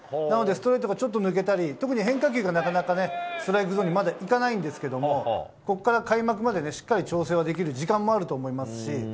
なのでストレートが抜けたり変化球がなかなかストライクゾーンにいかないんですけどここから開幕までしっかり調整はできる時間もあると思いますし。